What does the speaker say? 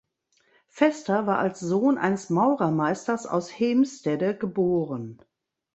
Vester war als Sohn eines Maurermeisters aus Heemstede geboren.